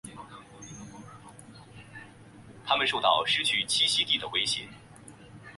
它们受到失去栖息地的威胁。